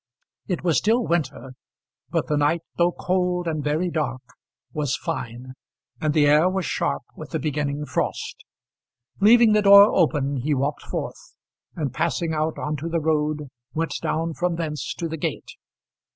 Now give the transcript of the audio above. It was still winter, but the night, though cold and very dark, was fine, and the air was sharp with the beginning frost. Leaving the door open he walked forth, and passing out on to the road went down from thence to the gate.